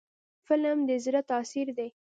فلم د زړه تاثیر دی